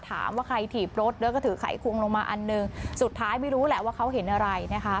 ถามว่าใครถีบรถแล้วก็ถือไขควงลงมาอันหนึ่งสุดท้ายไม่รู้แหละว่าเขาเห็นอะไรนะคะ